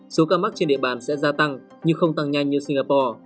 số ca mắc trên địa bàn sẽ gia tăng nhưng không tăng nhanh như singapore